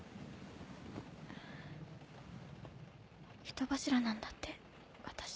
人柱なんだって私。